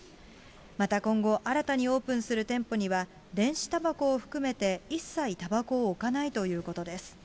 また今後、新たにオープンする店舗には、電子たばこを含めて、一切たばこを置かないということです。